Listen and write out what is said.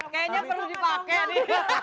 kayaknya perlu dipakai